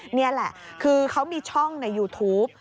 นี่แหละคือเขามีช่องในยูทูป